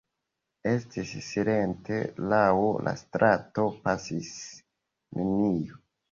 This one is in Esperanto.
Estis silente, laŭ la strato pasis neniu.